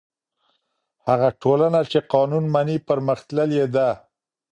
هغه ټولنه چې قانون مني پرمختللې ده.